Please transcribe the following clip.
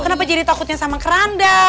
kenapa jadi takutnya sama keranda